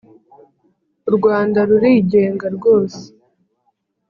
u rwanda rurigenga rwose